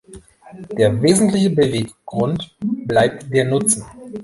Der wesentliche Beweggrund bleibt der Nutzen.